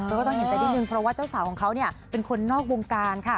ก็ต้องเห็นใจนิดนึงเพราะว่าเจ้าสาวของเขาเนี่ยเป็นคนนอกวงการค่ะ